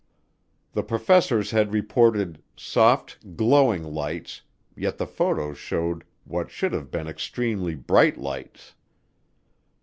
The professors had reported soft, glowing lights yet the photos showed what should have been extremely bright lights.